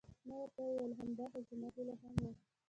ما ورته وویل: همدا خو زما هیله هم وه.